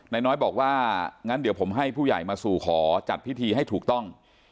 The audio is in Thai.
น้อยบอกว่างั้นเดี๋ยวผมให้ผู้ใหญ่มาสู่ขอจัดพิธีให้ถูกต้อง